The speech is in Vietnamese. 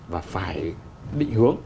và phải bị hướng